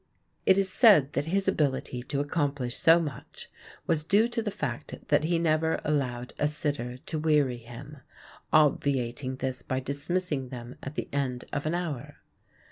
It is said that his ability to accomplish so much was due to the fact that he never allowed a sitter to weary him, obviating this by dismissing them at the end of an hour.